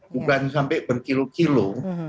bukan sampai berkilo kilo